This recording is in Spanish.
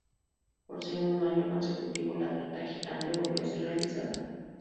Por segundo año consecutivo, la tarta gigante volvió a ser realizada.